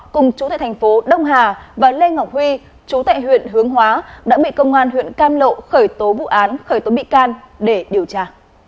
cùng chủ thể thành phố đông hà và lê ngọc huy chú tại huyện hướng hóa đã bị công an huyện cam lộ khởi tố vụ án khởi tố bị can để điều tra